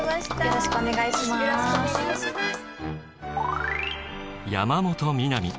よろしくお願いします。